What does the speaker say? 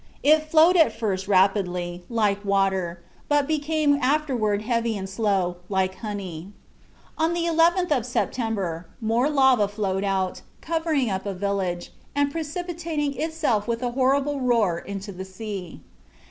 It flowed at first rapidly, like water, but became afterward heavy and slow, like honey. On the 11th of September more lava flowed out, covering up a village, and precipitating itself with a horrible roar into the sea.